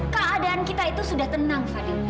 keadaan kita itu sudah tenang fadi